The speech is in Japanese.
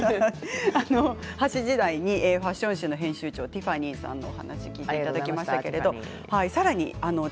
８時台にファッション誌の編集長、ティファニーさんの話を聞きました。